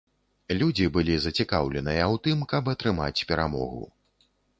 Людзі былі зацікаўленыя ў тым, каб атрымаць перамогу.